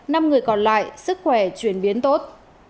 năm người còn lại sức khỏe chuyển biến tốt